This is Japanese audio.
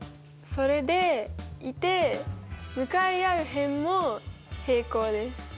それでいて向かい合う辺も平行です。